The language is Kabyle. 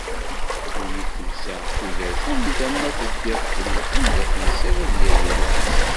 Ddunit tewseɛ, tudert anda ma teddiḍ tella, anda tensiḍ ad yali wass.